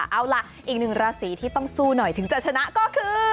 เอาล่ะอีกหนึ่งราศีที่ต้องสู้หน่อยถึงจะชนะก็คือ